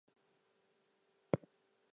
The main A and E for Swansea is in Morriston.